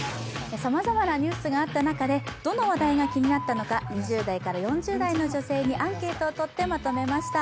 さまざまなニュースがあった中で、どの話題が気になったのか、２０代から４０代の女性にアンケートをとってまとめました。